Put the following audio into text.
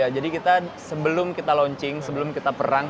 jadi sebelum kita launching sebelum kita perang